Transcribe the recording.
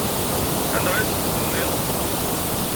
Anda ay asent-tendiḍ?